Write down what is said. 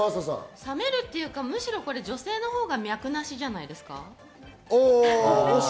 冷めるというか、むしろ女性のほうが脈なしじゃないですか。